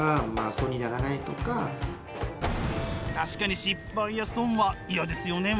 確かに失敗や損は嫌ですよねえ。